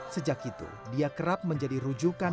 sejak itu dia kerap menjadi rujukan